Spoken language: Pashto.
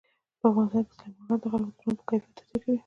په افغانستان کې سلیمان غر د خلکو د ژوند په کیفیت تاثیر کوي.